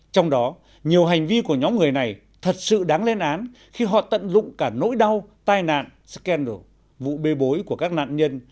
trong đó nhiều hành vi của nhóm người này thật sự đáng lên án khi họ tận dụng cả nỗi đau tai nạn scandal vụ bê bối của các nạn nhân